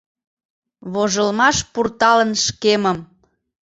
Вожылмаш пурталын шкемым